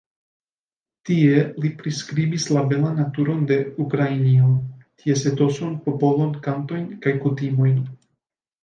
Tie li priskribis la belan naturon de Ukrainio, ties etoson, popolon, kantojn kaj kutimojn.